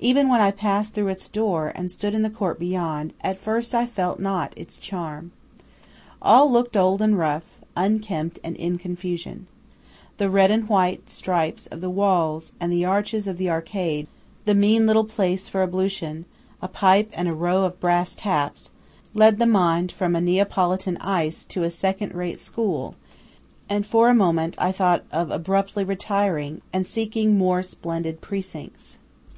Even when I passed through its door, and stood in the court beyond, at first I felt not its charm. All looked old and rough, unkempt and in confusion. The red and white stripes of the walls and the arches of the arcade, the mean little place for ablution a pipe and a row of brass taps led the mind from a Neapolitan ice to a second rate school, and for a moment I thought of abruptly retiring and seeking more splendid precincts.